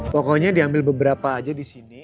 pokoknya diambil beberapa aja disini